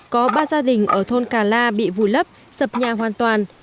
có ba gia đình ở thôn cà la bị vùi lấp sập nhà hoàn toàn